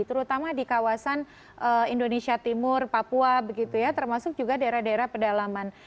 terutama di kawasan indonesia timur papua begitu ya termasuk juga daerah daerah pedalaman